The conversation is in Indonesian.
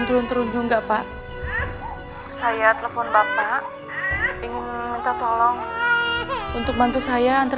turun turun juga pak saya telepon bapak ingin minta tolong untuk bantu saya antar